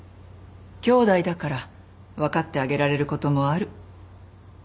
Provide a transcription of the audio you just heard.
兄弟だから分かってあげられることもある。